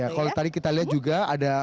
kalau tadi kita lihat juga ada